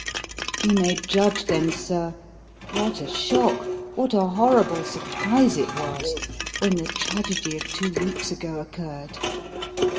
"You may judge, then, sir, what a shock, what a horrible surprise it was when the tragedy of two weeks ago occurred.